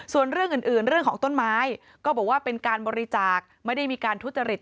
ส่วนเรื่องอื่นเรื่องของต้นไม้ก็บอกว่าเป็นการบริจาคไม่ได้มีการทุจริต